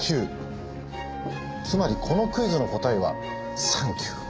つまりこのクイズの答えは「サンキュー」。